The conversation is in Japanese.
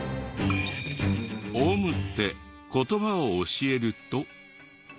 オウムって言葉を教えると。